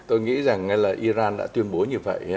tôi nghĩ rằng ngay là iran đã tuyên bố như vậy